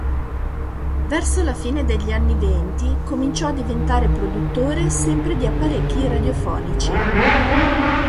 Verso la fine degli anni venti cominciò a diventare produttore sempre di apparecchi radiofonici.